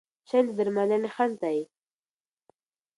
شرم د درملنې خنډ دی.